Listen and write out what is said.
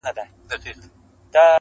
ما سپارلی د هغه مرستي ته ځان دی -